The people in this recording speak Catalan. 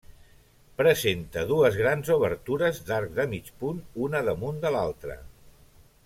Presenta dues grans obertures d'arc de mig punt, una damunt de l'altra.